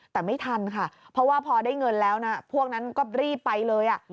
แต่ไม่ทันค่ะเพราะว่าพอได้เงินแล้วนะพวกนั้นก็รีบไปเลย